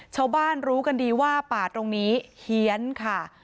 ชาวบ้านรู้กันดีว่าป่าตรงนี้เฮียนค่ะ